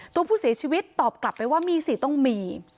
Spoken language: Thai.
ตัวผู้เสียชีวิตตอบกลับไปว่ามีสิต้องมี